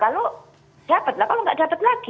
kalau dapat kalau tidak dapat lagi